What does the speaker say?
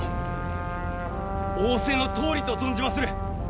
仰せのとおりと存じまする！